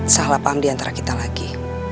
salah paham diantara kita lagi